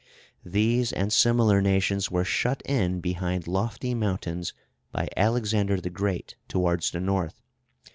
These and similar nations were shut in behind lofty mountains by Alexander the Great, towards the North.